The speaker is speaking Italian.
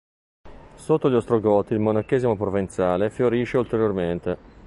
Sotto gli ostrogoti il monachesimo provenzale fiorisce ulteriormente.